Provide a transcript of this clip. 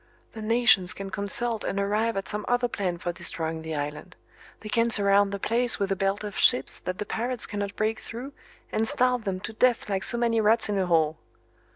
The nations can consult and arrive at some other plan for destroying the island. They can surround the place with a belt of ships that the pirates cannot break through and starve them to death like so many rats in a hole.